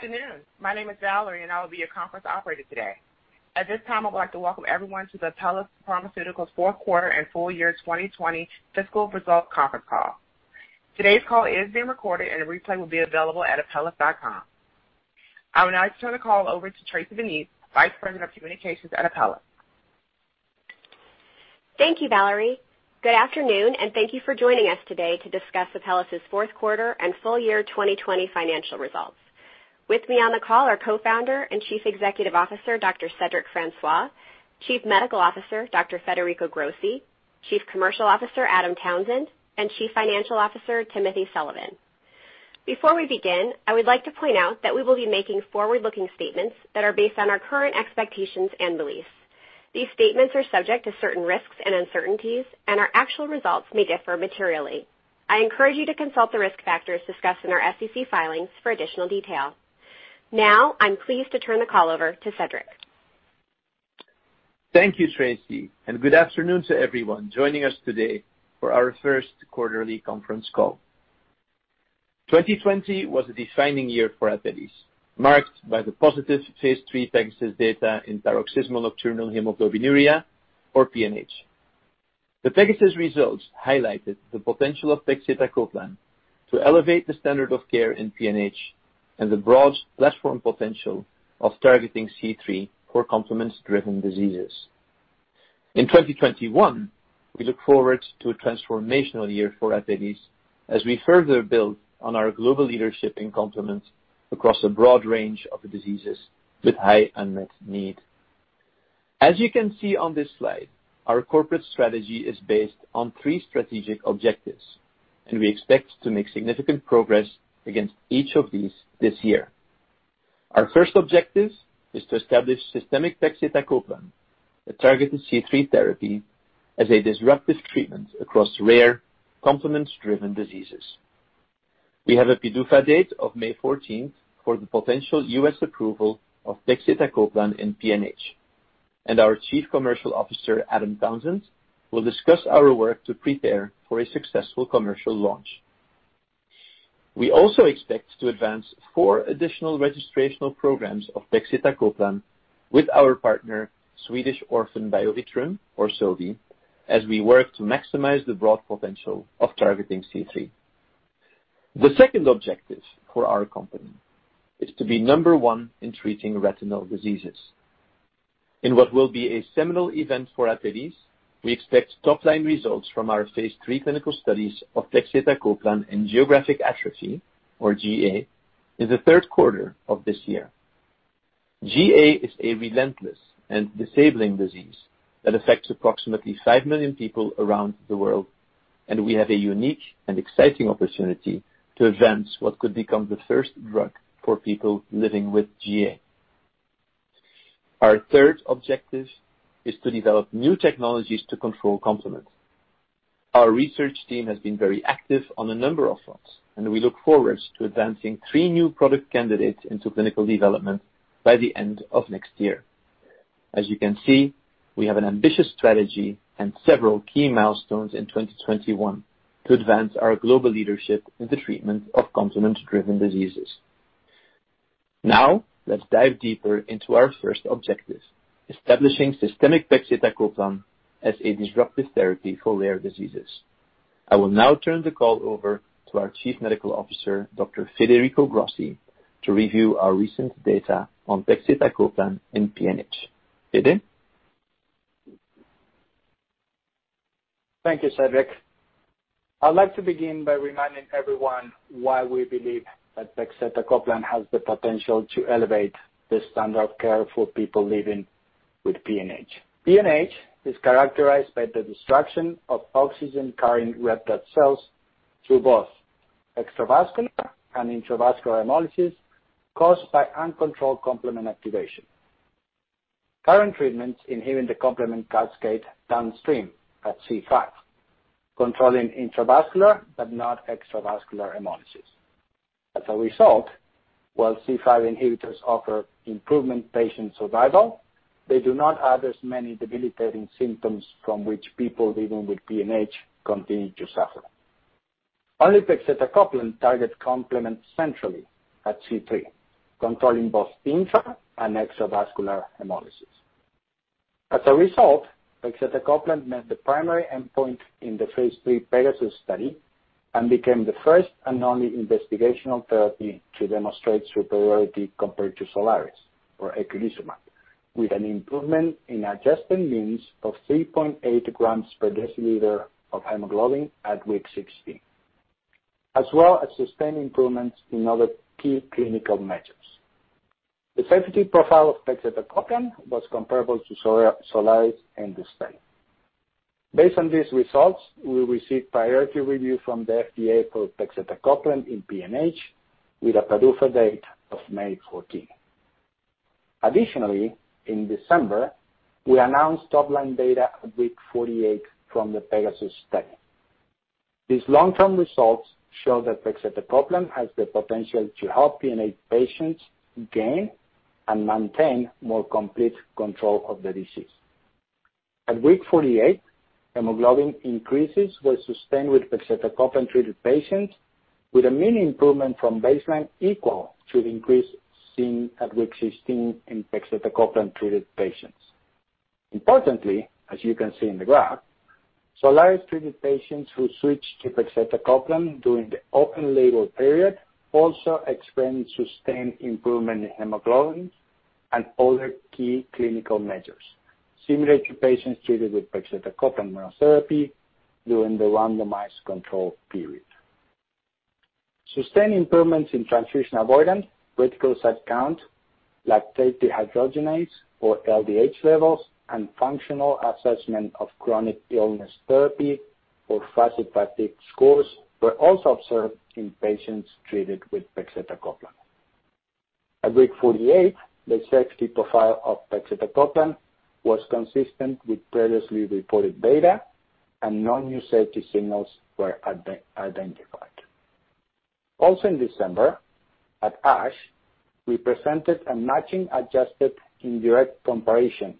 Good afternoon. My name is Valerie, and I will be your conference operator today. At this time, I would like to welcome everyone to the Apellis Pharmaceuticals fourth quarter and full year 2020 fiscal results conference call. Today's call is being recorded, and a replay will be available at apellis.com. I would now like to turn the call over to Tracy Venese, Vice President of Communications at Apellis. Thank you, Valerie. Good afternoon, and thank you for joining us today to discuss Apellis' fourth quarter and full year 2020 financial results. With me on the call are Co-founder and Chief Executive Officer, Dr. Cedric Francois, Chief Medical Officer, Dr. Federico Grossi, Chief Commercial Officer, Adam Townsend, and Chief Financial Officer, Timothy Sullivan. Before we begin, I would like to point out that we will be making forward-looking statements that are based on our current expectations and beliefs. These statements are subject to certain risks and uncertainties, and our actual results may differ materially. I encourage you to consult the risk factors discussed in our SEC filings for additional detail. Now, I'm pleased to turn the call over to Cedric. Thank you, Tracy, and good afternoon to everyone joining us today for our first quarterly conference call. 2020 was a defining year for Apellis, marked by the positive phase III PEGASUS data in paroxysmal nocturnal hemoglobinuria, or PNH. The PEGASUS results highlighted the potential of pegcetacoplan to elevate the standard of care in PNH and the broad platform potential of targeting C3 for complement-driven diseases. In 2021, we look forward to a transformational year for Apellis as we further build on our global leadership in complement across a broad range of diseases with high unmet need. As you can see on this slide, our corporate strategy is based on three strategic objectives, and we expect to make significant progress against each of these this year. Our first objective is to establish systemic pegcetacoplan, a targeted C3 therapy, as a disruptive treatment across rare complement-driven diseases. We have a PDUFA date of May 14th for the potential U.S. approval of pegcetacoplan in PNH, and our Chief Commercial Officer, Adam Townsend, will discuss our work to prepare for a successful commercial launch. We also expect to advance four additional registrational programs of pegcetacoplan with our partner, Swedish Orphan Biovitrum, or Sobi, as we work to maximize the broad potential of targeting C3. The second objective for our company is to be number one in treating retinal diseases. In what will be a seminal event for Apellis, we expect top-line results from our phase III clinical studies of pegcetacoplan in geographic atrophy, or GA, in the third quarter of this year. GA is a relentless and disabling disease that affects approximately 5 million people around the world, and we have a unique and exciting opportunity to advance what could become the first drug for people living with GA. Our third objective is to develop new technologies to control complement. Our research team has been very active on a number of fronts, and we look forward to advancing three new product candidates into clinical development by the end of next year. As you can see, we have an ambitious strategy and several key milestones in 2021 to advance our global leadership in the treatment of complement-driven diseases. Now, let's dive deeper into our first objective, establishing systemic pegcetacoplan as a disruptive therapy for rare diseases. I will now turn the call over to our Chief Medical Officer, Dr. Federico Grossi, to review our recent data on pegcetacoplan in PNH. Fede? Thank you, Cedric. I'd like to begin by reminding everyone why we believe that pegcetacoplan has the potential to elevate the standard of care for people living with PNH. PNH is characterized by the destruction of oxygen-carrying red blood cells through both extravascular and intravascular hemolysis caused by uncontrolled complement activation. Current treatments inhibit the complement cascade downstream at C5, controlling intravascular but not extravascular hemolysis. As a result, while C5 inhibitors offer improvement in patient survival, they do not address many debilitating symptoms from which people living with PNH continue to suffer. Only pegcetacoplan targets complement centrally at C3, controlling both intra and extravascular hemolysis. As a result, pegcetacoplan met the primary endpoint in the phase III PEGASUS study and became the first and only investigational therapy to demonstrate superiority compared to SOLIRIS, or eculizumab, with an improvement in adjusted means of 3.8 grams per deciliter of hemoglobin at week 16, as well as sustained improvements in other key clinical measures. The safety profile of pegcetacoplan was comparable to SOLIRIS in this study. Based on these results, we received priority review from the FDA for pegcetacoplan in PNH with a PDUFA date of May 14. Additionally, in December, we announced top-line data at week 48 from the PEGASUS study. These long-term results show that pegcetacoplan has the potential to help PNH patients gain and maintain more complete control of the disease. At week 48, hemoglobin increases were sustained with pegcetacoplan-treated patients with a mean improvement from baseline equal to the increase seen at week 16 in pegcetacoplan-treated patients. Importantly, as you can see in the graph, SOLIRIS-treated patients who switched to pegcetacoplan during the open label period also experienced sustained improvement in hemoglobin and other key clinical measures, similar to patients treated with pegcetacoplan monotherapy during the randomized control period. Sustained improvements in transfusion avoidance, reticulocyte count, lactate dehydrogenase or LDH levels, and Functional Assessment of Chronic Illness Therapy or FACIT-Fatigue scores were also observed in patients treated with pegcetacoplan. At week 48, the safety profile of pegcetacoplan was consistent with previously reported data, and no new safety signals were identified. In December, at ASH, we presented a matching adjusted indirect comparison,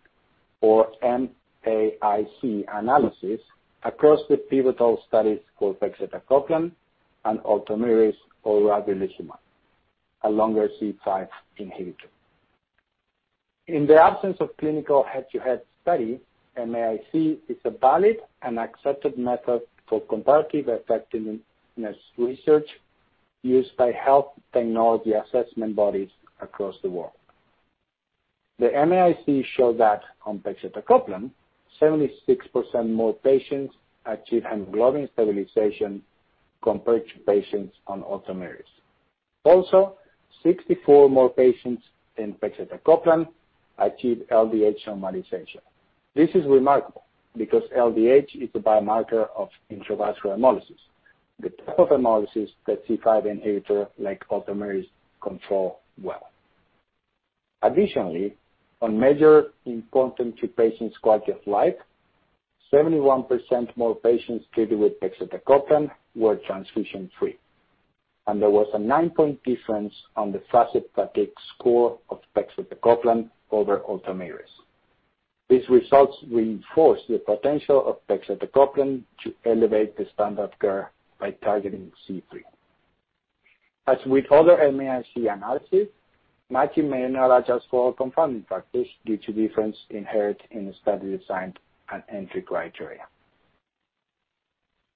or MAIC analysis, across the pivotal studies for pegcetacoplan and Ultomiris or ravulizumab, a longer C5 inhibitor. In the absence of clinical head-to-head study, MAIC is a valid and accepted method for comparative effectiveness research used by health technology assessment bodies across the world. The MAIC showed that on pegcetacoplan, 76% more patients achieved hemoglobin stabilization compared to patients on Ultomiris. 64 more patients in pegcetacoplan achieved LDH normalization. This is remarkable because LDH is a biomarker of intravascular hemolysis, the type of hemolysis that C5 inhibitor like Ultomiris control well. Additionally, on measure important to patients' quality of life, 71% more patients treated with pegcetacoplan were transfusion free, and there was a nine-point difference on the FACIT-Fatigue score of pegcetacoplan over Ultomiris. These results reinforce the potential of pegcetacoplan to elevate the standard of care by targeting C3. As with other MAIC analysis, matching may not adjust for all confounding factors due to difference inherent in the study design and entry criteria.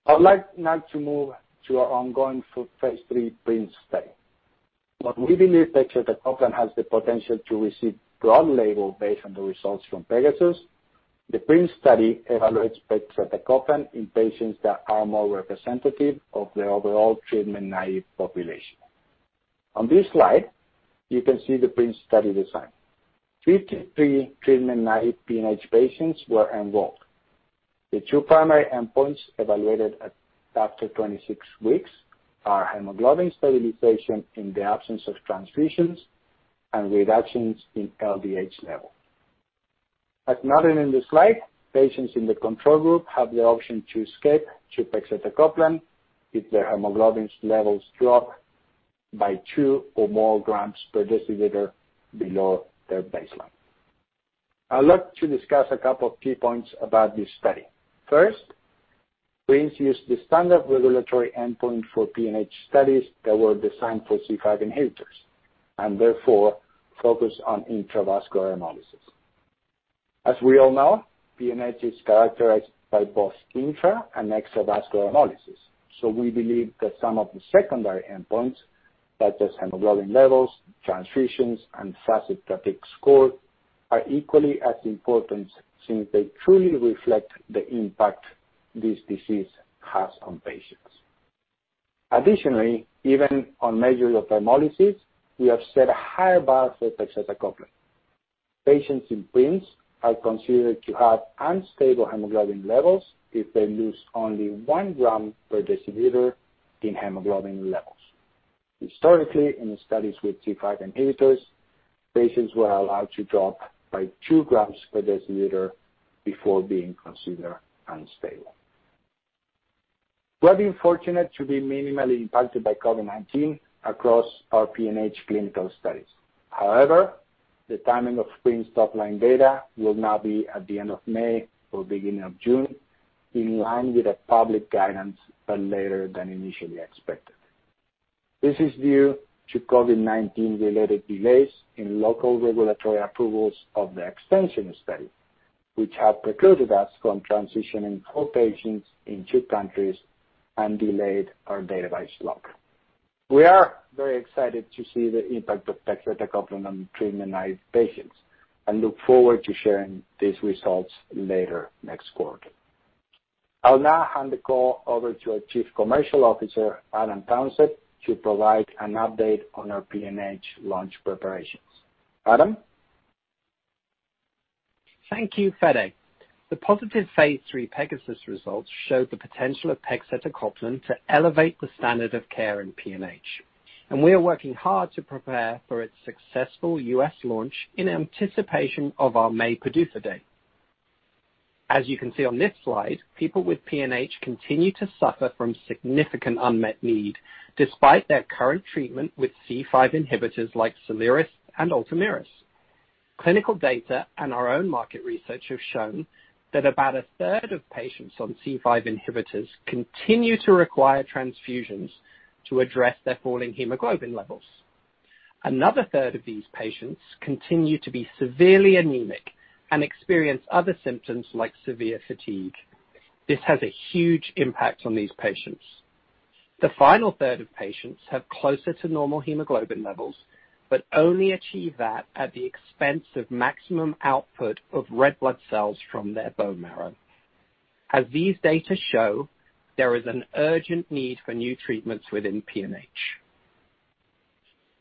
I would like now to move to our ongoing phase III PRINCE study. While we believe pegcetacoplan has the potential to receive broad label based on the results from PEGASUS, the PRINCE study evaluates pegcetacoplan in patients that are more representative of the overall treatment-naive population. On this slide, you can see the PRINCE study design. 53 treatment-naive PNH patients were enrolled. The two primary endpoints evaluated after 26 weeks are hemoglobin stabilization in the absence of transfusions and reductions in LDH level. As noted in the slide, patients in the control group have the option to escape to pegcetacoplan if their hemoglobin levels drop by two or more grams per deciliter below their baseline. I'd like to discuss a couple of key points about this study. First, PRINCE used the standard regulatory endpoint for PNH studies that were designed for C5 inhibitors, and therefore focused on intravascular hemolysis. As we all know, PNH is characterized by both intra and extra vascular hemolysis. We believe that some of the secondary endpoints, such as hemoglobin levels, transfusions, and FACIT-Fatigue score, are equally as important since they truly reflect the impact this disease has on patients. Additionally, even on measures of hemolysis, we have set a higher bar for pegcetacoplan. Patients in PRINCE are considered to have unstable hemoglobin levels if they lose only one gram per deciliter in hemoglobin levels. Historically, in studies with C5 inhibitors, patients were allowed to drop by two grams per deciliter before being considered unstable. We have been fortunate to be minimally impacted by COVID-19 across our PNH clinical studies. The timing of PRINCE top-line data will now be at the end of May or beginning of June, in line with a public guidance, but later than initially expected. This is due to COVID-19-related delays in local regulatory approvals of the extension study, which have precluded us from transitioning all patients in two countries and delayed our database lock. We are very excited to see the impact of pegcetacoplan on treatment-naive patients and look forward to sharing these results later next quarter. I'll now hand the call over to our Chief Commercial Officer, Adam Townsend, to provide an update on our PNH launch preparations. Adam? Thank you, Fede. The positive phase III PEGASUS results show the potential of pegcetacoplan to elevate the standard of care in PNH, and we are working hard to prepare for its successful U.S. launch in anticipation of our May PDUFA date. As you can see on this slide, people with PNH continue to suffer from significant unmet need, despite their current treatment with C5 inhibitors like Soliris and Ultomiris. Clinical data and our own market research have shown that about a third of patients on C5 inhibitors continue to require transfusions to address their falling hemoglobin levels. Another third of these patients continue to be severely anemic and experience other symptoms like severe fatigue. This has a huge impact on these patients. The final third of patients have closer to normal hemoglobin levels, but only achieve that at the expense of maximum output of red blood cells from their bone marrow. As these data show, there is an urgent need for new treatments within PNH.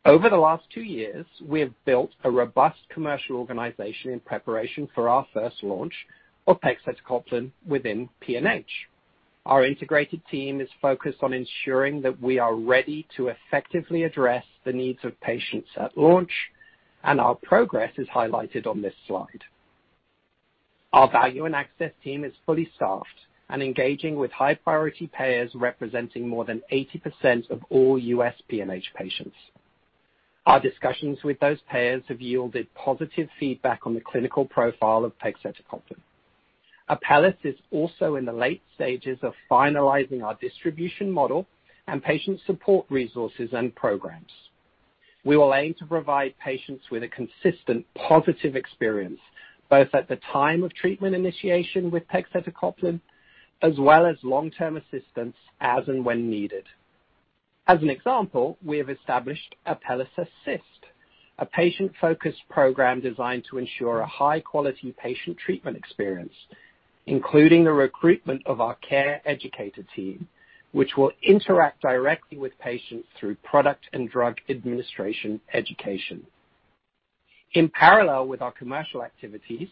Over the last two years, we have built a robust commercial organization in preparation for our first launch of pegcetacoplan within PNH. Our integrated team is focused on ensuring that we are ready to effectively address the needs of patients at launch, and our progress is highlighted on this slide. Our value and access team is fully staffed and engaging with high-priority payers representing more than 80% of all U.S. PNH patients. Our discussions with those payers have yielded positive feedback on the clinical profile of pegcetacoplan. Apellis is also in the late stages of finalizing our distribution model and patient support resources and programs. We will aim to provide patients with a consistent, positive experience, both at the time of treatment initiation with pegcetacoplan, as well as long-term assistance as and when needed. As an example, we have established ApellisAssist, a patient-focused program designed to ensure a high-quality patient treatment experience, including the recruitment of our care educator team, which will interact directly with patients through product and drug administration education. In parallel with our commercial activities,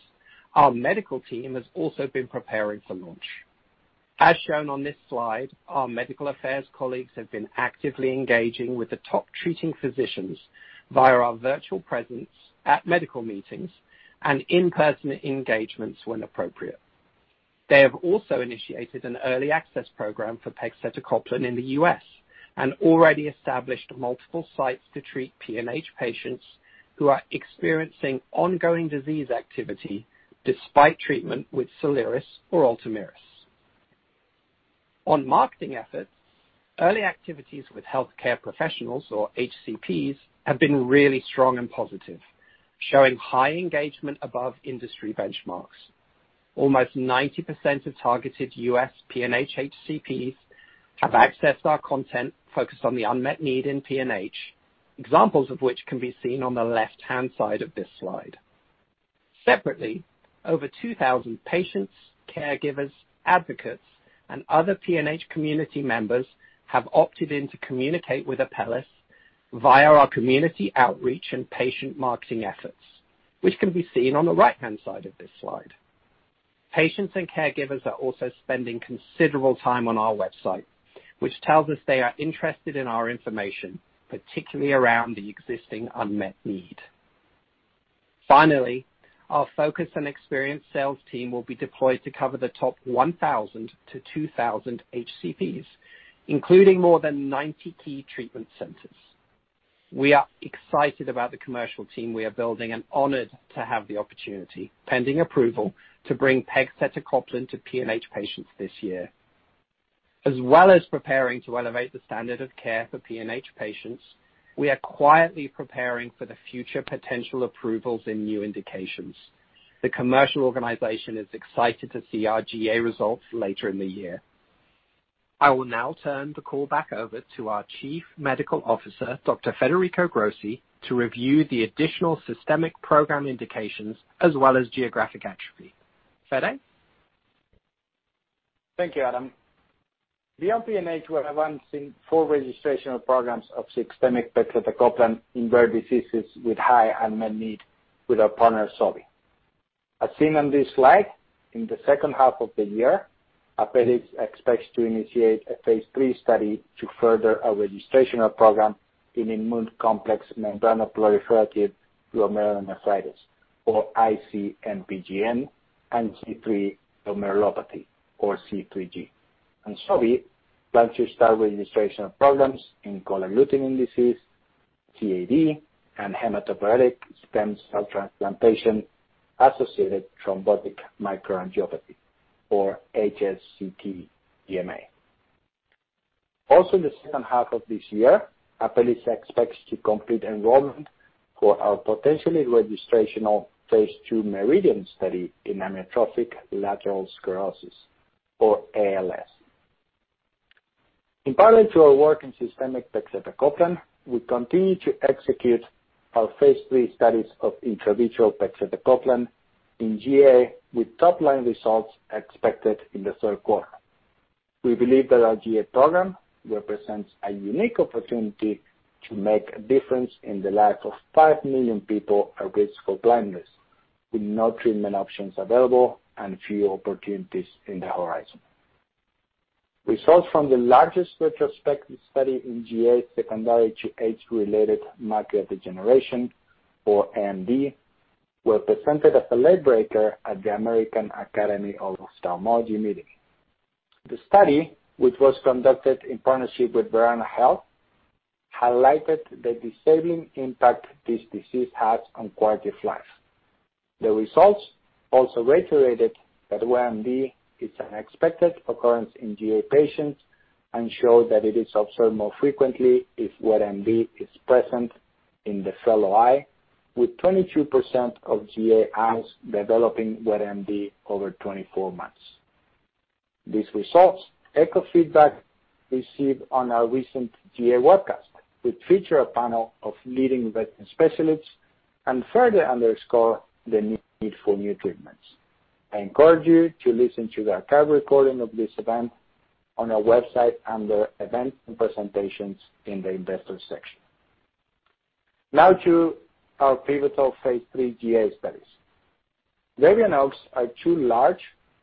our medical team has also been preparing for launch. As shown on this slide, our medical affairs colleagues have been actively engaging with the top treating physicians via our virtual presence at medical meetings and in-person engagements when appropriate. They have also initiated an early access program for pegcetacoplan in the U.S. and already established multiple sites to treat PNH patients who are experiencing ongoing disease activity despite treatment with SOLIRIS or Ultomiris. On marketing efforts, early activities with healthcare professionals or HCPs have been really strong and positive, showing high engagement above industry benchmarks. Almost 90% of targeted U.S. PNH HCPs have accessed our content focused on the unmet need in PNH, examples of which can be seen on the left-hand side of this slide. Separately, over 2,000 patients, caregivers, advocates, and other PNH community members have opted in to communicate with Apellis via our community outreach and patient marketing efforts, which can be seen on the right-hand side of this slide. Patients and caregivers are also spending considerable time on our website, which tells us they are interested in our information, particularly around the existing unmet need. Finally, our focus and experienced sales team will be deployed to cover the top 1,000 HCPs-2,000 HCPs, including more than 90 key treatment centers. We are excited about the commercial team we are building and honored to have the opportunity, pending approval, to bring pegcetacoplan to PNH patients this year. As well as preparing to elevate the standard of care for PNH patients, we are quietly preparing for the future potential approvals in new indications. The commercial organization is excited to see our GA results later in the year. I will now turn the call back over to our Chief Medical Officer, Dr. Federico Grossi, to review the additional systemic program indications as well as geographic atrophy. Fede? Thank you, Adam. Beyond PNH, we are advancing four registrational programs of systemic pegcetacoplan in rare diseases with high unmet need with our partner, Sobi. As seen on this slide, in the second half of the year, Apellis expects to initiate a phase III study to further our registrational program in immune complex membranoproliferative glomerulonephritis, or IC-MPGN, and C3 glomerulopathy, or C3G. Sobi plans to start registrational programs in Churg-Strauss syndrome, CAD, and hematopoietic stem cell transplantation-associated thrombotic microangiopathy, or HSCT-TMA. Also in the second half of this year, Apellis expects to complete enrollment for our potentially registrational phase II MERIDIAN study in amyotrophic lateral sclerosis, or ALS. In parallel to our work in systemic pegcetacoplan, we continue to execute our phase III studies of intravitreal pegcetacoplan in GA with top-line results expected in the third quarter. We believe that our GA program represents a unique opportunity to make a difference in the lives of 5 million people at risk for blindness, with no treatment options available and few opportunities in the horizon. Results from the largest retrospective study in GA secondary to age-related macular degeneration, or AMD, were presented as a late-breaker at the American Academy of Ophthalmology meeting. The study, which was conducted in partnership with Verana Health highlighted the disabling impact this disease has on quality of life. The results also reiterated that wet AMD is an expected occurrence in GA patients and showed that it is observed more frequently if wet AMD is present in the fellow eye with 22% of GA eyes developing wet AMD over 24 months. These results echo feedback received on our recent GA webcast, which feature a panel of leading veteran specialists and further underscore the need for new treatments. I encourage you to listen to the archive recording of this event on our website under Events and Presentations in the Investors section. To our pivotal phase III GA studies. DERBY and OAKS are two large,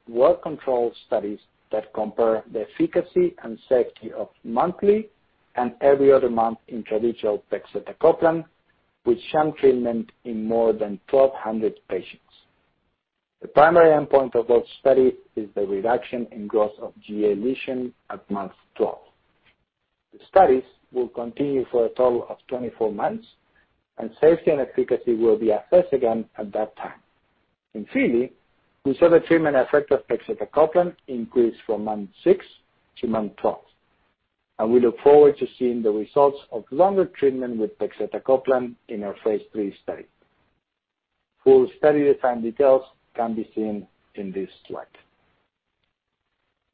well-controlled studies that compare the efficacy and safety of monthly and every other month intravitreal pegcetacoplan with sham treatment in more than 1,200 patients. The primary endpoint of both studies is the reduction in growth of GA lesion at month 12. The studies will continue for a total of 24 months, and safety and efficacy will be assessed again at that time. In FILLY, we saw the treatment effect of pegcetacoplan increased from month six to month 12. We look forward to seeing the results of longer treatment with pegcetacoplan in our phase III study. Full study design details can be seen in this slide.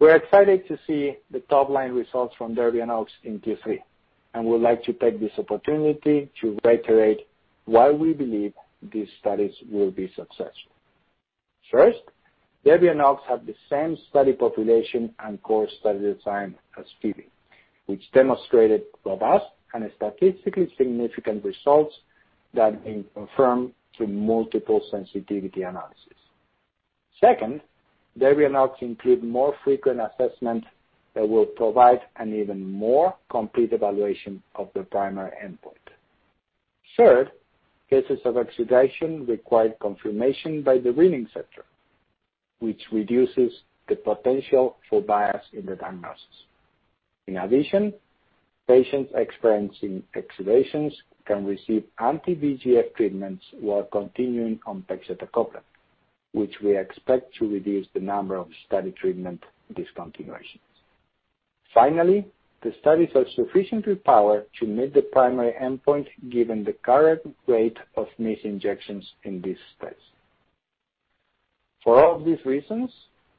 We're excited to see the top-line results from DERBY and OAKS in Q3, and would like to take this opportunity to reiterate why we believe these studies will be successful. First, DERBY and OAKS have the same study population and core study design as FILLY, which demonstrated robust and statistically significant results that have been confirmed through multiple sensitivity analysis. Second, DERBY and OAKS include more frequent assessment that will provide an even more complete evaluation of the primary endpoint. Third, cases of exudation required confirmation by the reading center, which reduces the potential for bias in the diagnosis. In addition, patients experiencing exudations can receive anti-VEGF treatments while continuing on pegcetacoplan, which we expect to reduce the number of study treatment discontinuations. Finally, the studies are sufficiently powered to meet the primary endpoint given the current rate of missed injections in these studies. For all of these reasons,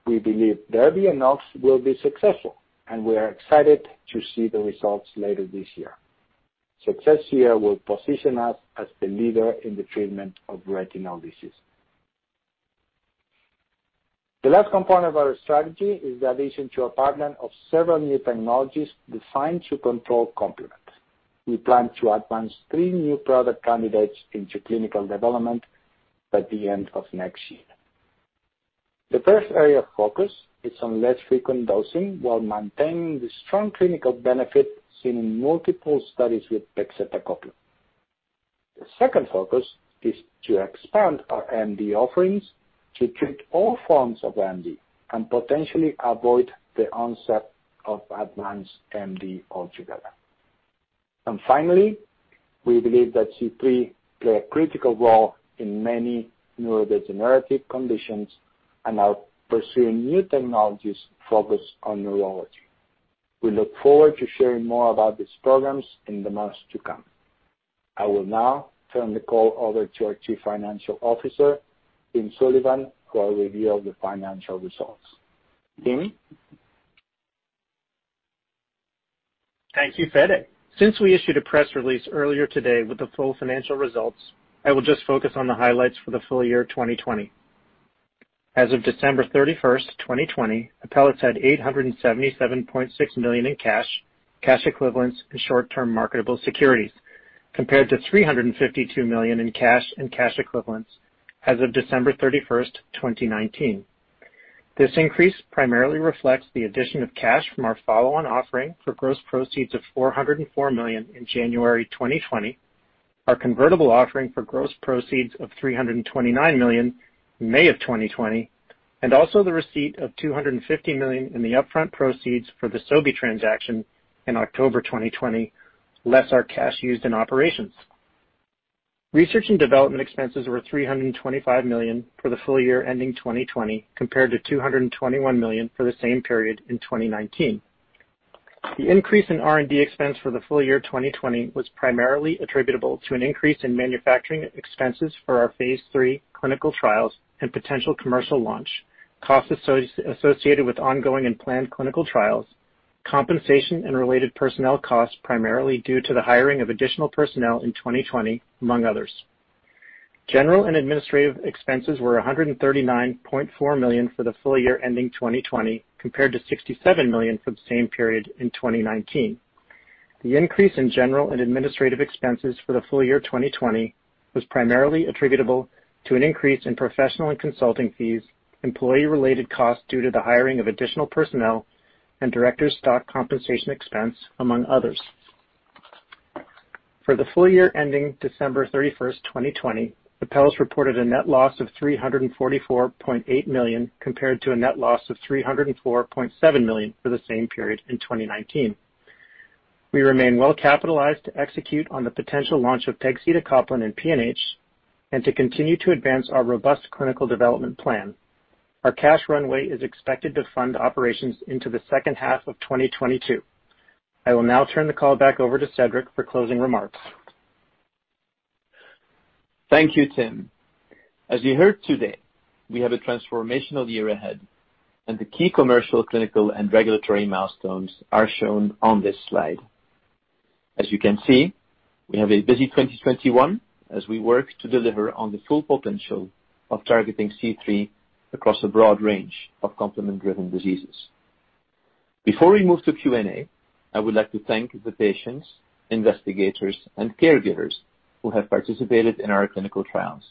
we believe Derby and Oaks will be successful, and we are excited to see the results later this year. Success here will position us as the leader in the treatment of retinal disease. The last component of our strategy is the addition to our partner of several new technologies designed to control complement. We plan to advance three new product candidates into clinical development by the end of next year. The first area of focus is on less frequent dosing, while maintaining the strong clinical benefit seen in multiple studies with pegcetacoplan. The second focus is to expand our AMD offerings to treat all forms of AMD and potentially avoid the onset of advanced AMD altogether. Finally, we believe that C3 play a critical role in many neurodegenerative conditions and are pursuing new technologies focused on neurology. We look forward to sharing more about these programs in the months to come. I will now turn the call over to our Chief Financial Officer, Tim Sullivan, who will reveal the financial results. Timmy? Thank you, Fede. Since we issued a press release earlier today with the full financial results, I will just focus on the highlights for the full year 2020. As of December 31st, 2020, Apellis had $877.6 million in cash equivalents, and short-term marketable securities, compared to $352 million in cash and cash equivalents as of December 31st, 2019. This increase primarily reflects the addition of cash from our follow-on offering for gross proceeds of $404 million in January 2020, our convertible offering for gross proceeds of $329 million May of 2020, and also the receipt of $250 million in the upfront proceeds for the Sobi transaction in October 2020, less our cash used in operations. Research and development expenses were $325 million for the full year ending 2020, compared to $221 million for the same period in 2019. The increase in R&D expense for the full year 2020 was primarily attributable to an increase in manufacturing expenses for our phase III clinical trials and potential commercial launch, costs associated with ongoing and planned clinical trials, compensation and related personnel costs, primarily due to the hiring of additional personnel in 2020, among others. General and administrative expenses were $139.4 million for the full year ending 2020, compared to $67 million for the same period in 2019. The increase in general and administrative expenses for the full year 2020 was primarily attributable to an increase in professional and consulting fees, employee-related costs due to the hiring of additional personnel, and director stock compensation expense, among others. For the full year ending December 31st, 2020, Apellis reported a net loss of $344.8 million compared to a net loss of $304.7 million for the same period in 2019. We remain well-capitalized to execute on the potential launch of pegcetacoplan in PNH and to continue to advance our robust clinical development plan. Our cash runway is expected to fund operations into the second half of 2022. I will now turn the call back over to Cedric for closing remarks. Thank you, Tim. As you heard today, we have a transformational year ahead, and the key commercial, clinical, and regulatory milestones are shown on this slide. As you can see, we have a busy 2021 as we work to deliver on the full potential of targeting C3 across a broad range of complement-driven diseases. Before we move to Q&A, I would like to thank the patients, investigators, and caregivers who have participated in our clinical trials,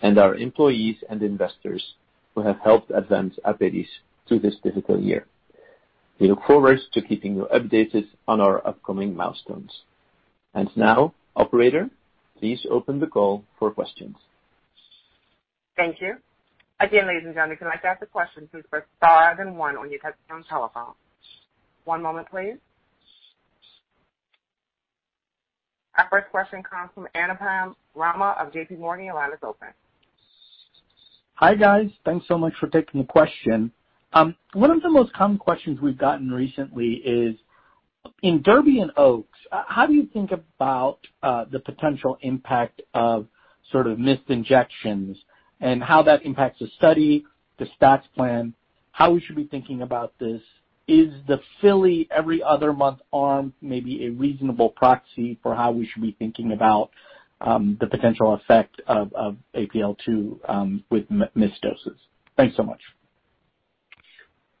and our employees and investors who have helped advance Apellis through this difficult year. We look forward to keeping you updated on our upcoming milestones. Now, operator, please open the call for questions. Thank you. Again, ladies and gentlemen, if you'd like to ask a question, please press star then one on your touchtone telephone. One moment please. Our first question comes from Anupam Rama of J.P. Morgan. Your line is open. Hi, guys. Thanks so much for taking the question. One of the most common questions we've gotten recently is, in DERBY and OAKS, how do you think about the potential impact of missed injections and how that impacts the study, the stats plan, how we should be thinking about this? Is the FILLY every other month arm maybe a reasonable proxy for how we should be thinking about the potential effect of APL-2 with missed doses? Thanks so much.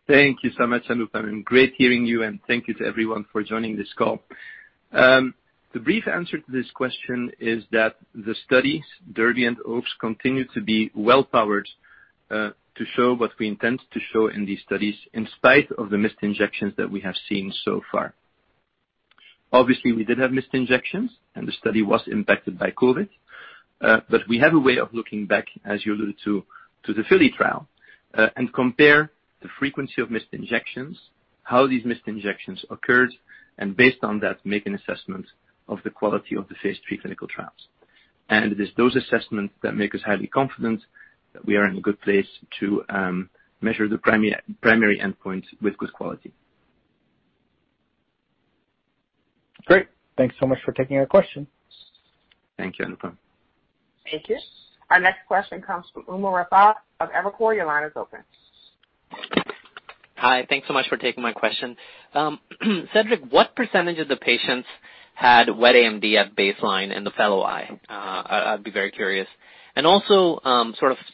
Thank you so much, Anupam. Great hearing you, and thank you to everyone for joining this call. The brief answer to this question is that the studies, DERBY and OAKS, continue to be well powered to show what we intend to show in these studies in spite of the missed injections that we have seen so far. Obviously, we did have missed injections, and the study was impacted by COVID. We have a way of looking back, as you alluded to the FILLY trial, and compare the frequency of missed injections, how these missed injections occurred, and based on that, make an assessment of the quality of the phase III clinical trials. It is those assessments that make us highly confident that we are in a good place to measure the primary endpoint with good quality. Great. Thanks so much for taking our question. Thank you, Anupam. Thank you. Our next question comes from Umer Raffat of Evercore. Your line is open. Hi. Thanks so much for taking my question. Cedric, what percentage of the patients had wet AMD at baseline in the fellow eye? I'd be very curious.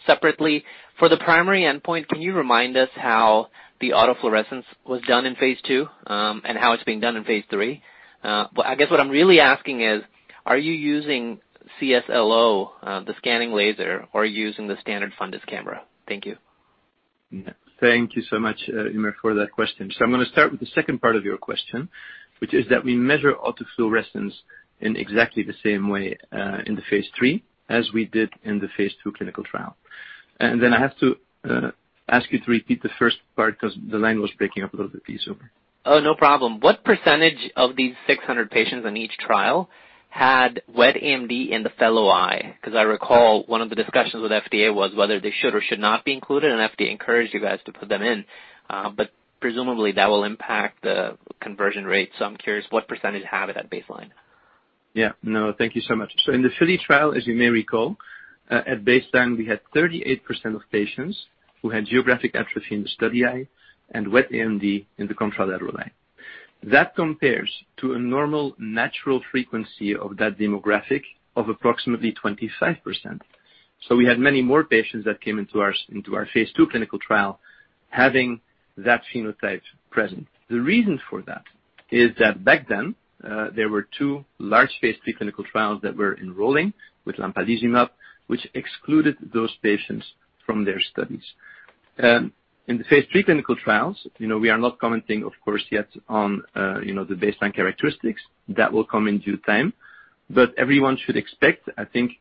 Separately, for the primary endpoint, can you remind us how the autofluorescence was done in phase II, and how it's being done in phase III? I guess what I'm really asking is, are you using cSLO, the scanning laser, or are you using the standard fundus camera? Thank you. Thank you so much, Umer, for that question. I'm going to start with the second part of your question, which is that we measure autofluorescence in exactly the same way, in the phase III as we did in the phase II clinical trial. I have to ask you to repeat the first part because the line was breaking up a little bit for you, sorry. Oh, no problem. What % of these 600 patients on each trial had wet AMD in the fellow eye? Because I recall one of the discussions with FDA was whether they should or should not be included, and FDA encouraged you guys to put them in. Presumably, that will impact the conversion rate. I'm curious what % have it at baseline. No, thank you so much. In the FILLY trial, as you may recall, at baseline, we had 38% of patients who had geographic atrophy in the study eye and wet AMD in the contralateral eye. That compares to a normal natural frequency of that demographic of approximately 25%. We had many more patients that came into our phase II clinical trial having that phenotype present. The reason for that is that back then, there were two large phase III clinical trials that were enrolling with lampalizumab, which excluded those patients from their studies. In the phase III clinical trials, we are not commenting, of course, yet on the baseline characteristics. That will come in due time. Everyone should expect, I think,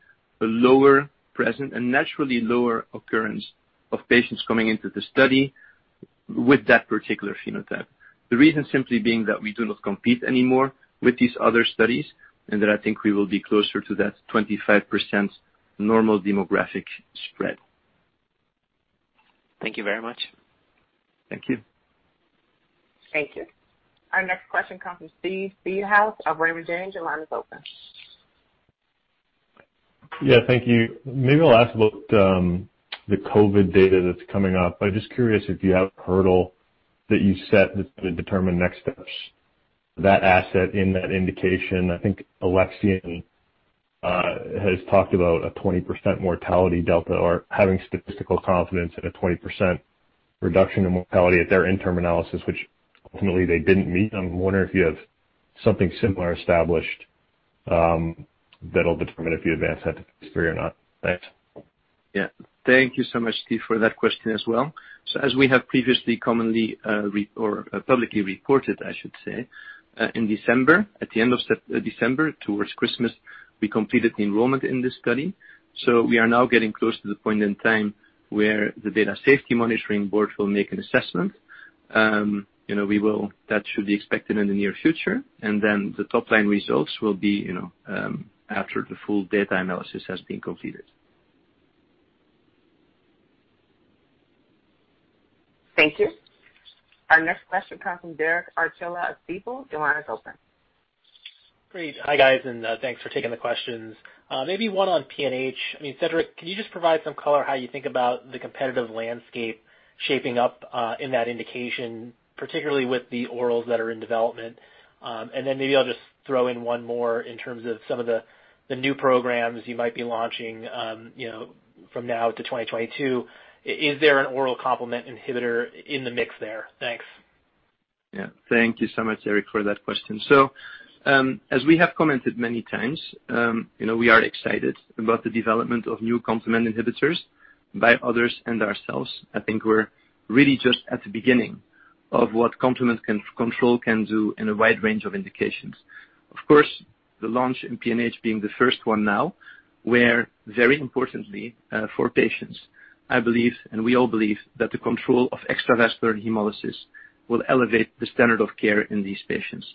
a lower present and naturally lower occurrence of patients coming into the study with that particular phenotype. The reason simply being that we do not compete anymore with these other studies, and that I think we will be closer to that 25% normal demographic spread. Thank you very much. Thank you. Thank you. Our next question comes from Steve Seedhouse of Raymond James. Your line is open. Yeah, thank you. Maybe I'll ask about the COVID data that's coming up. I'm just curious if you have a hurdle that you set that's going to determine next steps for that asset in that indication. I think Alexion has talked about a 20% mortality delta or having statistical confidence at a 20% reduction in mortality at their interim analysis, which ultimately they didn't meet. I'm wondering if you have something similar established that'll determine if you advance that to phase III or not. Thanks. Yeah. Thank you so much, Steve, for that question as well. As we have previously commonly, or publicly reported, I should say, in December, at the end of December, towards Christmas, we completed the enrollment in this study. We are now getting close to the point in time where the data safety monitoring board will make an assessment. That should be expected in the near future. The top-line results will be after the full data analysis has been completed. Thank you. Our next question comes from Derek Archila of B. Riley. Your line is open. Great. Hi, guys, and thanks for taking the questions. Maybe one on PNH. I mean, Cedric, can you just provide some color how you think about the competitive landscape shaping up in that indication, particularly with the orals that are in development? Then maybe I'll just throw in one more in terms of some of the new programs you might be launching from now to 2022. Is there an oral complement inhibitor in the mix there? Thanks. Yeah. Thank you so much, Derek, for that question. As we have commented many times, we are excited about the development of new complement inhibitors by others and ourselves. I think we're really just at the beginning of what complement control can do in a wide range of indications. Of course, the launch in PNH being the first one now, where very importantly for patients, I believe, and we all believe, that the control of extravascular hemolysis will elevate the standard of care in these patients.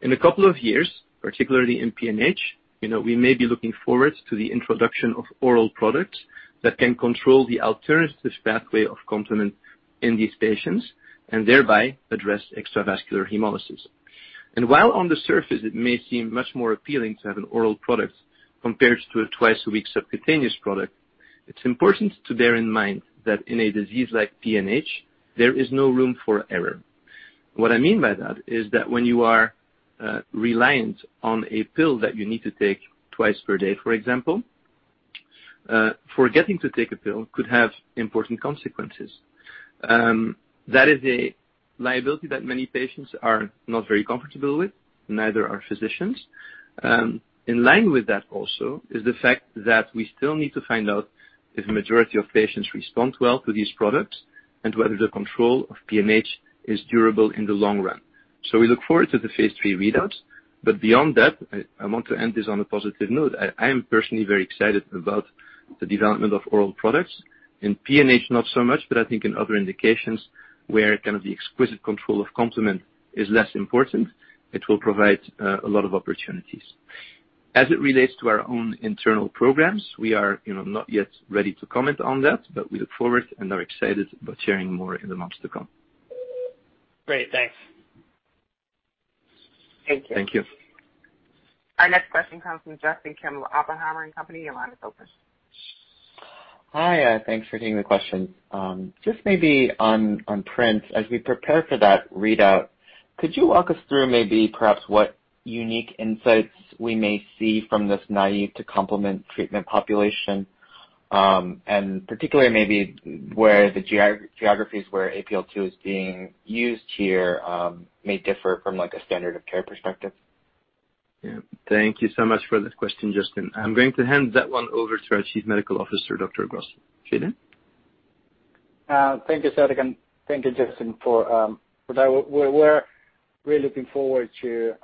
In a couple of years, particularly in PNH, we may be looking forward to the introduction of oral products that can control the alternative pathway of complement in these patients and thereby address extravascular hemolysis. While on the surface it may seem much more appealing to have an oral product compared to a twice-a-week subcutaneous product, it is important to bear in mind that in a disease like PNH, there is no room for error. What I mean by that is that when you are reliant on a pill that you need to take twice per day, for example, forgetting to take a pill could have important consequences. That is a liability that many patients are not very comfortable with, neither are physicians. In line with that also is the fact that we still need to find out if the majority of patients respond well to these products and whether the control of PNH is durable in the long run. We look forward to the phase III readouts, beyond that, I want to end this on a positive note. I am personally very excited about the development of oral products. In PNH not so much, but I think in other indications where kind of the exquisite control of complement is less important, it will provide a lot of opportunities. As it relates to our own internal programs, we are not yet ready to comment on that, but we look forward and are excited about sharing more in the months to come. Great. Thanks. Thank you. Thank you. Our next question comes from Justin Kim of Oppenheimer & Co. Your line is open. Hi. Thanks for taking the questions. Just maybe on PRINCE, as we prepare for that readout, could you walk us through maybe perhaps what unique insights we may see from this naive to complement treatment population? Particularly maybe where the geographies where APL-2 is being used here may differ from a standard of care perspective. Thank you so much for this question, Justin. I'm going to hand that one over to our Chief Medical Officer, Dr. Grossi. Fede? Thank you, Cedric, and thank you, Justin, for that. We're really looking forward to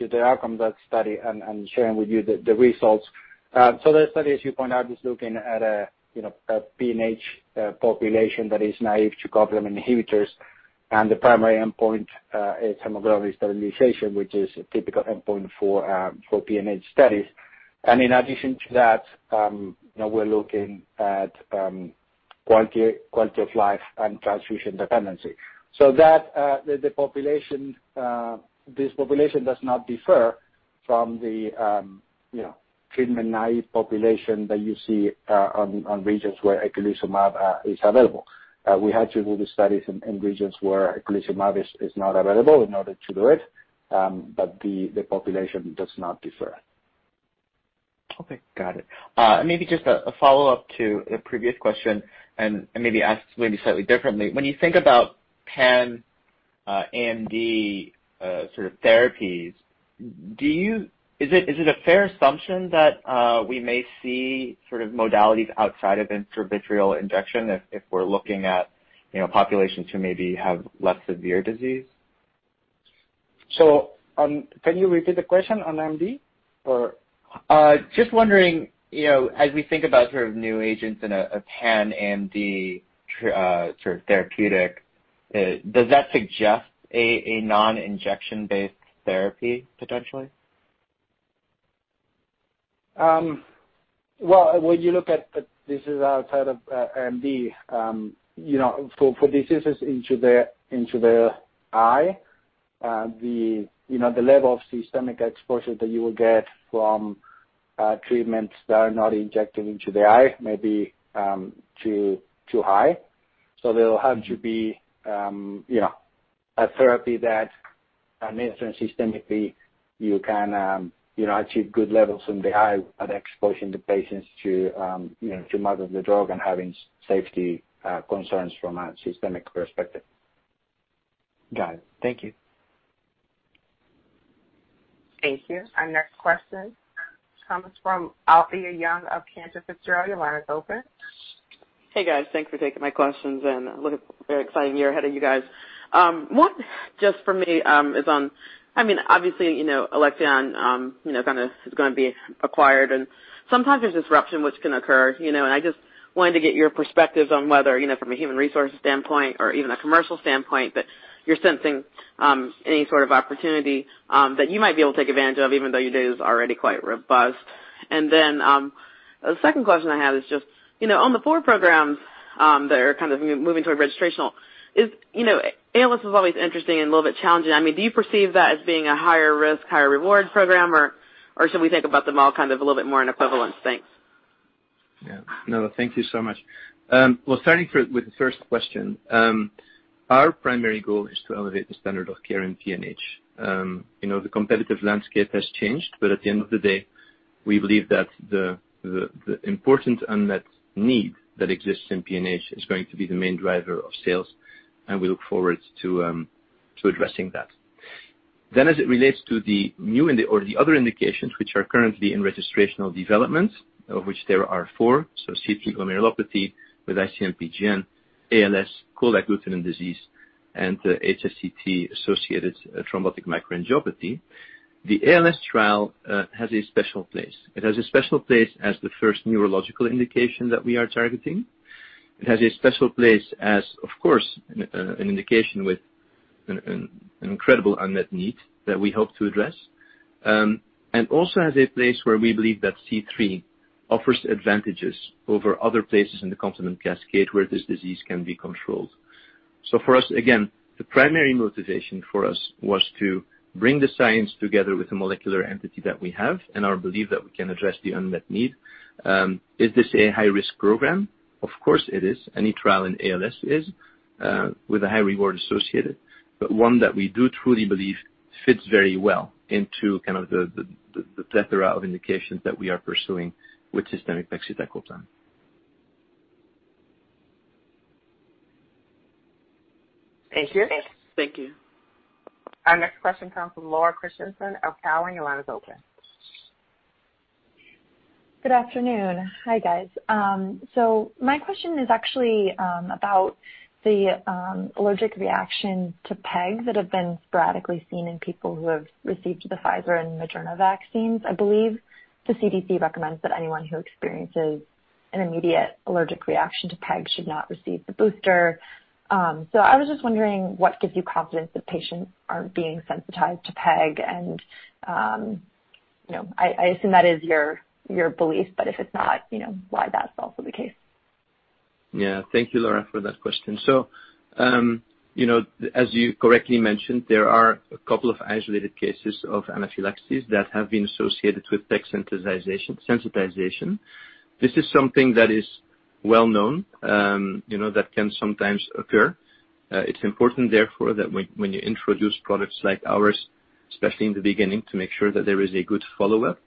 the outcome of that study and sharing with you the results. That study, as you point out, is looking at a PNH population that is naive to complement inhibitors, and the primary endpoint is hemoglobin stabilization, which is a typical endpoint for PNH studies. In addition to that, we're looking at quality of life and transfusion dependency. This population does not differ from the treatment-naive population that you see on regions where eculizumab is available. We had to do the studies in regions where eculizumab is not available in order to do it, but the population does not differ. Okay. Got it. Maybe just a follow-up to a previous question and maybe asked slightly differently. When you think about pan-AMD sort of therapies, is it a fair assumption that we may see sort of modalities outside of intravitreal injection if we're looking at populations who maybe have less severe disease? Can you repeat the question on AMD or? Just wondering, as we think about sort of new agents in a pan-AMD sort of therapeutic, does that suggest a non-injection-based therapy potentially? Well, when you look at, this is outside of AMD, for diseases into the eye, the level of systemic exposure that you will get from treatments that are not injected into the eye may be too high. They'll have to be a therapy that administered systemically, you can achieve good levels in the eye without exposing the patients to much of the drug and having safety concerns from a systemic perspective. Got it. Thank you. Thank you. Our next question comes from Alethia Young of Cantor Fitzgerald. Your line is open. Hey, guys. Thanks for taking my questions. What a very exciting year ahead of you guys. One just for me is on, obviously, Alexion is going to be acquired. Sometimes there's disruption which can occur. I just wanted to get your perspective on whether, from a human resources standpoint or even a commercial standpoint, that you're sensing any sort of opportunity that you might be able to take advantage of, even though your day is already quite robust. The second question I have is just, on the four programs that are moving toward registrational, ALS is always interesting and a little bit challenging. Do you perceive that as being a higher risk, higher reward program, or should we think about them all a little bit more in equivalence? Thanks. Yeah. No, thank you so much. Starting with the first question. Our primary goal is to elevate the standard of care in PNH. The competitive landscape has changed, but at the end of the day, we believe that the importance and that need that exists in PNH is going to be the main driver of sales, and we look forward to addressing that. As it relates to the other indications which are currently in registrational development, of which there are 4, so C3 glomerulopathy with IC-MPGN, ALS, cold agglutinin disease, and HSCT-associated thrombotic microangiopathy. The ALS trial has a special place. It has a special place as the first neurological indication that we are targeting. It has a special place as, of course, an indication with an incredible unmet need that we hope to address. Also has a place where we believe that C3 offers advantages over other places in the complement cascade where this disease can be controlled. For us, again, the primary motivation for us was to bring the science together with the molecular entity that we have and our belief that we can address the unmet need. Is this a high-risk program? Of course, it is. Any trial in ALS is with a high reward associated, but one that we do truly believe fits very well into the plethora of indications that we are pursuing with systemic pegcetacoplan. Thank you. Thank you. Our next question comes from Laura Christensen of Cowen. Your line is open. Good afternoon. Hi, guys. My question is actually about the allergic reaction to PEGs that have been sporadically seen in people who have received the Pfizer and Moderna vaccines. I believe the CDC recommends that anyone who experiences an immediate allergic reaction to peg should not receive the booster. I was just wondering what gives you confidence that patients aren't being sensitized to peg and, I assume that is your belief, but if it's not, why that's also the case. Thank you, Laura, for that question. As you correctly mentioned, there are a couple of isolated cases of anaphylaxis that have been associated with peg sensitization. This is something that is well known that can sometimes occur. It's important, therefore, that when you introduce products like ours, especially in the beginning, to make sure that there is a good follow-up.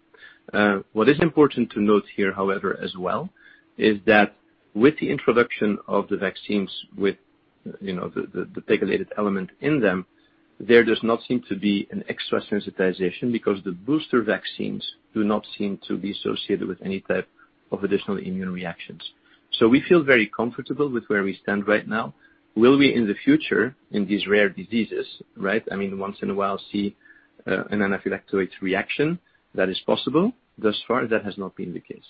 What is important to note here, however, as well, is that with the introduction of the vaccines with the pegylated element in them, there does not seem to be an extra sensitization because the booster vaccines do not seem to be associated with any type of additional immune reactions. We feel very comfortable with where we stand right now. Will we in the future in these rare diseases, right? I mean, once in a while see an anaphylactic reaction that is possible. Thus far, that has not been the case.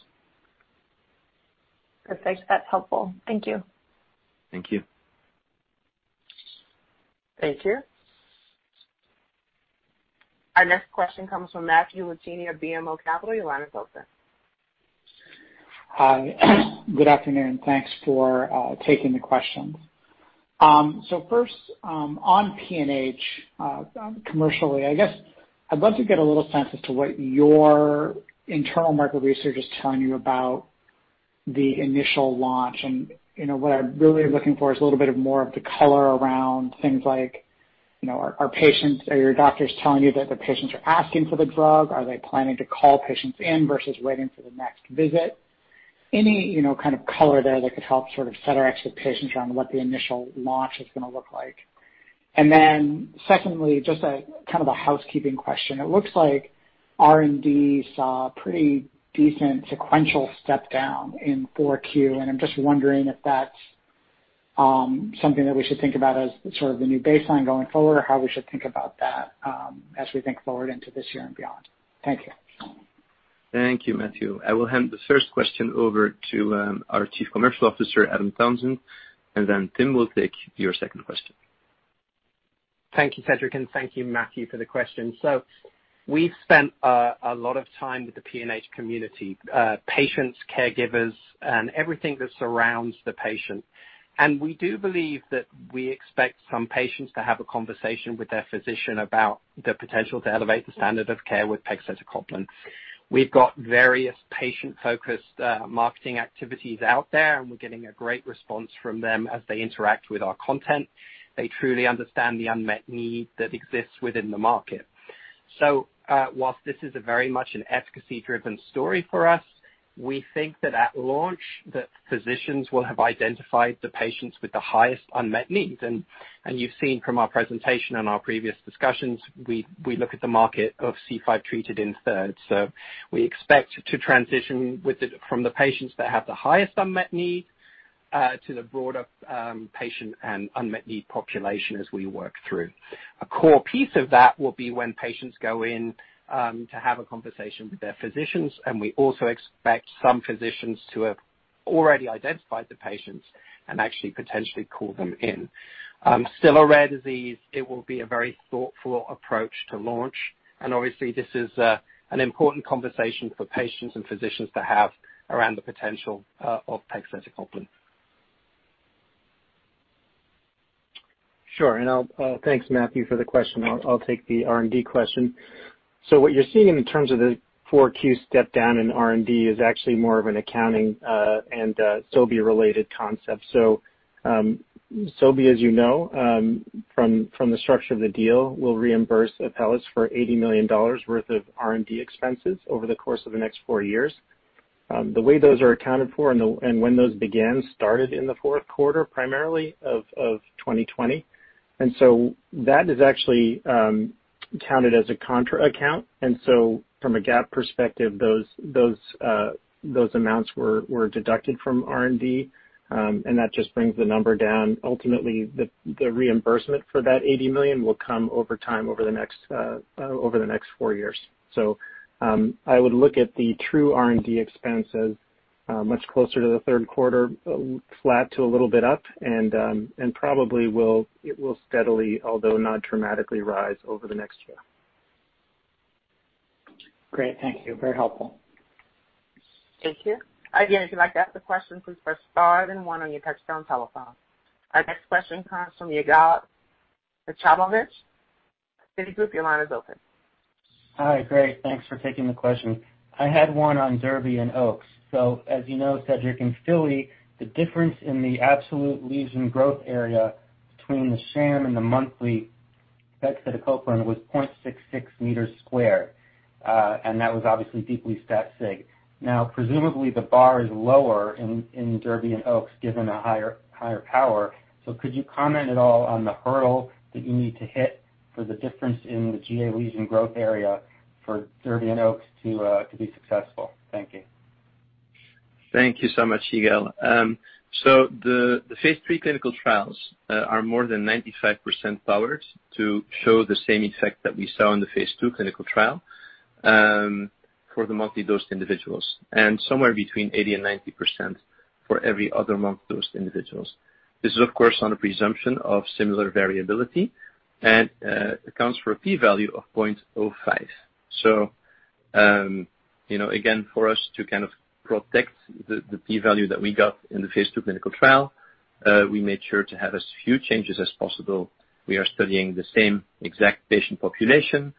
Perfect. That's helpful. Thank you. Thank you. Thank you. Our next question comes from Matthew Luchini of BMO Capital. Your line is open. Hi, good afternoon. Thanks for taking the questions. First, on PNH, commercially, I guess I'd love to get a little sense as to what your internal market research is telling you about the initial launch. What I'm really looking for is a little bit of more of the color around things like, are your doctors telling you that the patients are asking for the drug? Are they planning to call patients in versus waiting for the next visit? Any kind of color there that could help sort of set our expectations around what the initial launch is going to look like. Secondly, just a kind of a housekeeping question. It looks like R&D saw a pretty decent sequential step down in Q4, and I'm just wondering if that's something that we should think about as sort of the new baseline going forward, or how we should think about that as we think forward into this year and beyond? Thank you. Thank you, Matthew. I will hand the first question over to our Chief Commercial Officer, Adam Townsend, and then Tim will take your second question. Thank you, Cedric, and thank you, Matthew, for the question. We've spent a lot of time with the PNH community, patients, caregivers, and everything that surrounds the patient. We do believe that we expect some patients to have a conversation with their physician about the potential to elevate the standard of care with pegcetacoplan. We've got various patient-focused marketing activities out there, and we're getting a great response from them as they interact with our content. They truly understand the unmet need that exists within the market. Whilst this is a very much an efficacy-driven story for us We think that at launch that physicians will have identified the patients with the highest unmet needs. You've seen from our presentation and our previous discussions, we look at the market of C5 treated in thirds. We expect to transition with it from the patients that have the highest unmet need, to the broader patient and unmet need population as we work through. A core piece of that will be when patients go in to have a conversation with their physicians, and we also expect some physicians to have already identified the patients and actually potentially call them in. Still a rare disease, it will be a very thoughtful approach to launch. Obviously this is an important conversation for patients and physicians to have around the potential of pegcetacoplan. Sure. Thanks, Matthew, for the question. I'll take the R&D question. What you're seeing in terms of the 4Q step down in R&D is actually more of an accounting, and Sobi-related concept. Sobi, as you know, from the structure of the deal, will reimburse Apellis for $80 million worth of R&D expenses over the course of the next four years. The way those are accounted for and when those began, started in the fourth quarter, primarily, of 2020. That is actually counted as a contra account. From a GAAP perspective, those amounts were deducted from R&D. That just brings the number down. Ultimately, the reimbursement for that $80 million will come over time over the next four years. I would look at the true R&D expenses much closer to the third quarter, flat to a little bit up, and probably it will steadily, although not dramatically, rise over the next year. Great. Thank you. Very helpful. Thank you. Again, if you'd like to ask a question, please press star then one on your touch-tone telephone. Our next question comes from Yigal Miropolsky. Citigroup, your line is open. Hi. Great. Thanks for taking the question. I had one on DERBY and OAKS. As you know, Cedric and FILLY, the difference in the absolute lesion growth area between the sham and the monthly pegcetacoplan was 0.66 millimeters squared. That was obviously deeply stat sig. Now, presumably the bar is lower in DERBY and OAKS given a higher power. Could you comment at all on the hurdle that you need to hit for the difference in the GA lesion growth area for DERBY and OAKS to be successful? Thank you. Thank you so much, Yigal. The phase III clinical trials are more than 95% powered to show the same effect that we saw in the phase II clinical trial for the monthly dosed individuals. Somewhere between 80% and 90% for every other monthly dosed individuals. This is, of course, on a presumption of similar variability and accounts for a P value of 0.05. Again, for us to kind of protect the P value that we got in the phase II clinical trial, we made sure to have as few changes as possible. We are studying the same exact patient population.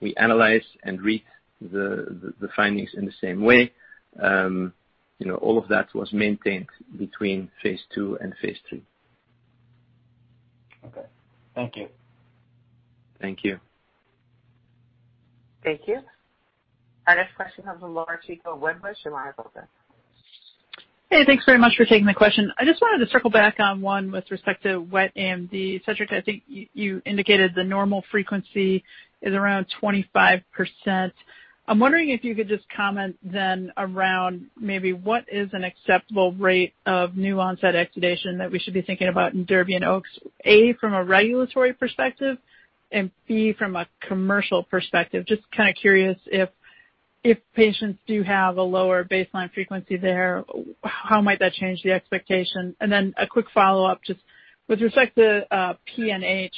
We analyze and read the findings in the same way. All of that was maintained between phase II and phase III. Okay. Thank you. Thank you. Thank you. Our next question comes from Laura Chico. Your line is open. Hey, thanks very much for taking the question. I just wanted to circle back on one with respect to wet AMD. Cedric, I think you indicated the normal frequency is around 25%. I'm wondering if you could just comment then around maybe what is an acceptable rate of new-onset exudation that we should be thinking about in DERBY and OAKS, A, from a regulatory perspective, and B, from a commercial perspective, just kind of curious if patients do have a lower baseline frequency there, how might that change the expectation? A quick follow-up just with respect to PNH,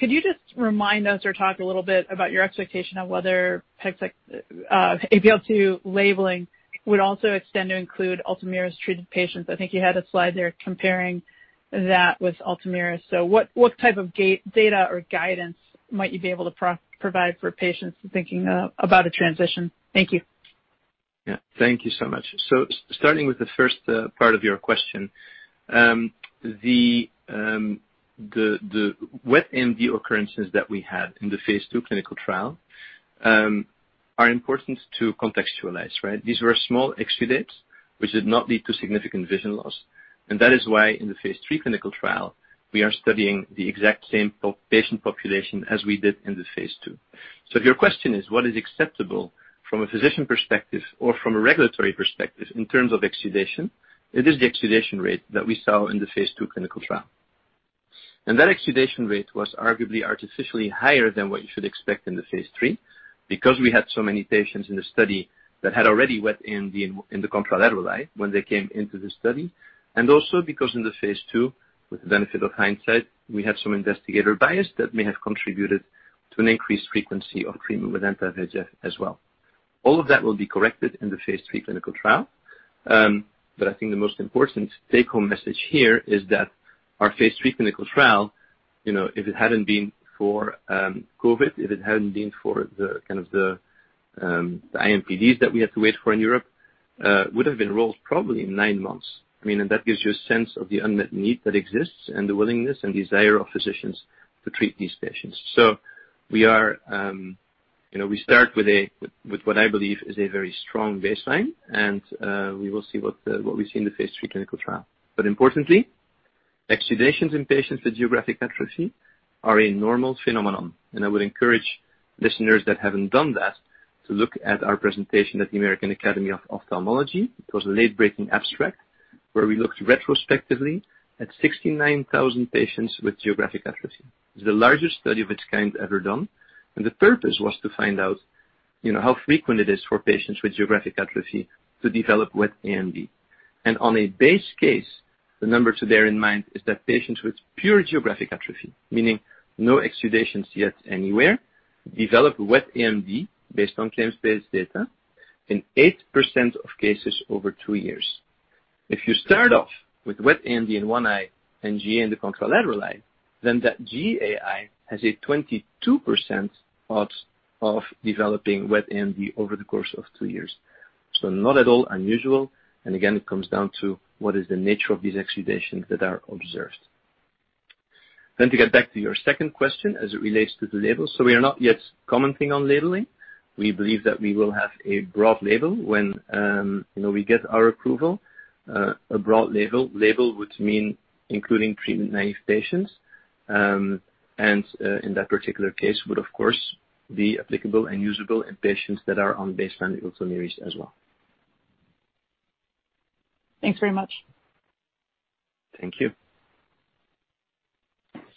could you just remind us or talk a little bit about your expectation of whether APL-2 labeling would also extend to include Ultomiris-treated patients? I think you had a slide there comparing that with Ultomiris. What type of data or guidance might you be able to provide for patients thinking about a transition? Thank you. Yeah. Thank you so much. Starting with the first part of your question, the wet AMD occurrences that we had in the phase II clinical trial are important to contextualize, right? These were small exudates, which did not lead to significant vision loss. That is why in the phase III clinical trial, we are studying the exact same patient population as we did in the phase II. If your question is what is acceptable from a physician perspective or from a regulatory perspective in terms of exudation, it is the exudation rate that we saw in the phase II clinical trial. That exudation rate was arguably artificially higher than what you should expect in the phase III, because we had so many patients in the study that had already wet AMD in the contralateral eye when they came into the study. Also because in the phase II, with the benefit of hindsight, we had some investigator bias that may have contributed to an increased frequency of treatment with anti-VEGF as well. All of that will be corrected in the phase III clinical trial. I think the most important take-home message here is that our phase III clinical trial, if it hadn't been for COVID-19, if it hadn't been for the IMPDs that we had to wait for in Europe, would have enrolled probably in nine months. That gives you a sense of the unmet need that exists and the willingness and desire of physicians to treat these patients. We start with what I believe is a very strong baseline, and we will see what we see in the phase III clinical trial. Importantly, exudations in patients with geographic atrophy are a normal phenomenon, and I would encourage listeners that haven't done that to look at our presentation at the American Academy of Ophthalmology. It was a late-breaking abstract where we looked retrospectively at 69,000 patients with geographic atrophy. It's the largest study of its kind ever done. The purpose was to find out how frequent it is for patients with geographic atrophy to develop wet AMD. On a base case, the number to bear in mind is that patients with pure geographic atrophy, meaning no exudations yet anywhere, develop wet AMD based on claims-based data in 8% of cases over two years. If you start off with wet AMD in one eye and GA in the contralateral eye, that GA eye has a 22% odds of developing wet AMD over the course of two years. Not at all unusual. Again, it comes down to what is the nature of these exudations that are observed. To get back to your second question as it relates to the label. We are not yet commenting on labeling. We believe that we will have a broad label when we get our approval. A broad label would mean including treatment-naïve patients, and in that particular case would of course be applicable and usable in patients that are on baseline Ultomiris as well. Thanks very much. Thank you.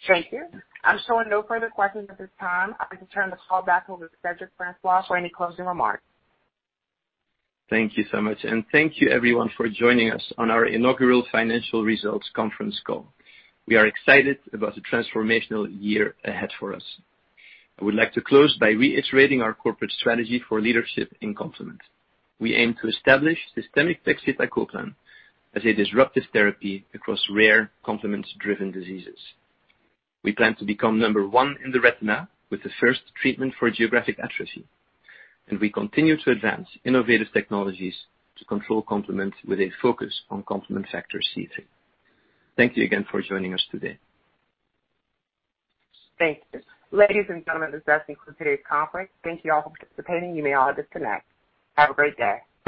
Thank you. I'm showing no further questions at this time. I'd like to turn the call back over to Cedric Francois for any closing remarks. Thank you so much, and thank you everyone for joining us on our inaugural financial results conference call. We are excited about the transformational year ahead for us. I would like to close by reiterating our corporate strategy for leadership in complement. We aim to establish systemic pegcetacoplan as a disruptive therapy across rare complement-driven diseases. We plan to become number one in the retina with the first treatment for geographic atrophy, and we continue to advance innovative technologies to control complement with a focus on complement factor C3. Thank you again for joining us today. Thank you. Ladies and gentlemen, this does conclude today's conference. Thank you all for participating. You may all disconnect. Have a great day.